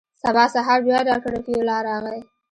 سبا سهار بيا ډاکتر رفيع الله راغى.